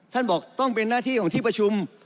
บอกต้องเป็นหน้าที่ของที่ประชุม